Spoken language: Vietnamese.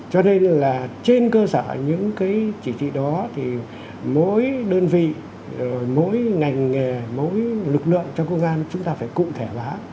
cho nên là trên cơ sở những cái chỉ thị đó thì mỗi đơn vị mỗi ngành nghề mỗi lực lượng trong quốc gia chúng ta phải cụ thể hóa